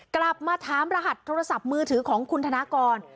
กลับมาถามรหัสโทรศัพท์มือถือของคุณธนากร